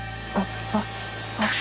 あっあっ！